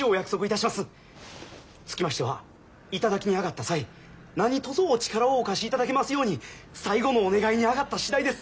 つきましては頂きに上がった際何とぞお力をお貸しいただけますように最後のお願いに上がった次第です。